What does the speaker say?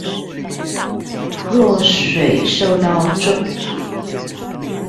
若水受到重金屬污染